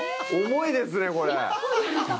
重いですね、これ！